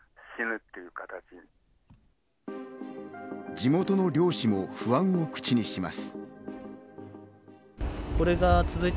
地元の漁師も不安を口にします。